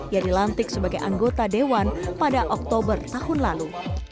ia dilantik sebagai anggota dewan pada oktober tahun lalu